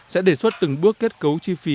sẽ đề xuất từng bước kết cấu chi phí